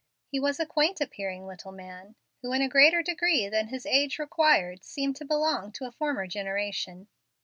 He was a quaint appearing little man, who in a greater degree than his age required seemed to belong to a former generation.